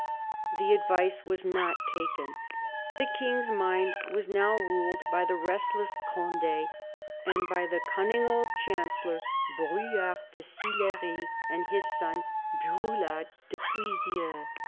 The advice was not taken. The King's mind was now ruled by the restless Cond6 and by the cunning old Chancellor Brulart de Sillery and his son, BrQlart de Puisieux.